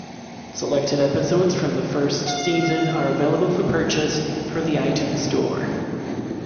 Selected episodes from the first season are available for purchase through the iTunes Store.